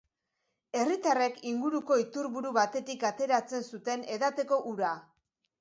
Herritarrek inguruko iturburu batetik ateratzen zuten edateko ura.